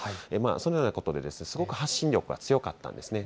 そのようなことで、すごく発信力が強かったんですね。